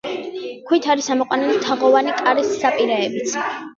ქვით არის ამოყვანილი თაღოვანი კარის საპირეებიც.